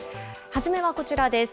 初めはこちらです。